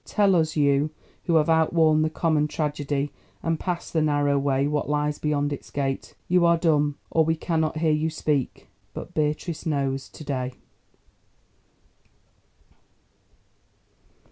Tell us, you, who have outworn the common tragedy and passed the narrow way, what lies beyond its gate? You are dumb, or we cannot hear you speak. But Beatrice knows to day!